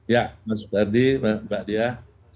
ya mas berdi pak dias